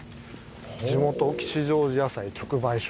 「地元吉祥寺野菜直売所」。